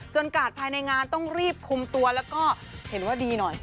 กาดภายในงานต้องรีบคุมตัวแล้วก็เห็นว่าดีหน่อย